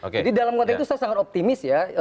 jadi dalam konteks itu saya sangat optimis ya